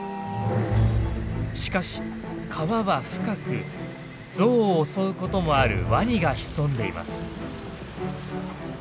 しかし川は深くゾウを襲うこともあるワニが潜んでいます。